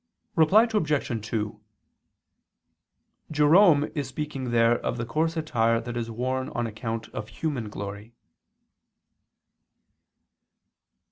Reply Obj. 2: Jerome is speaking there of the coarse attire that is worn on account of human glory.